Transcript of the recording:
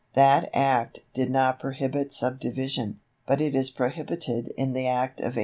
That Act did not prohibit subdivision, but it is prohibited in the Act of 1881.